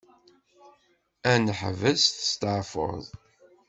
Ad neḥbes testaɛfuḍ.